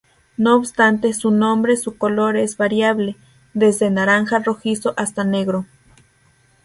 No obstante su nombre su color es variable, desde naranja-rojizo hasta negro.